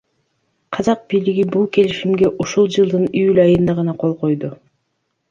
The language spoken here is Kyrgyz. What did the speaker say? Казак бийлиги бул келишимге ушул жылдын июль айында гана кол койду.